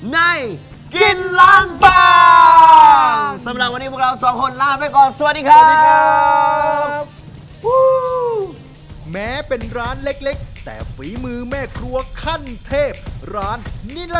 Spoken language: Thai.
ในกินล้างบาง